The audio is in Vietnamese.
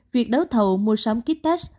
việc đấu thầu mua sắm kích test